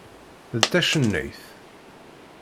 D tacennayt.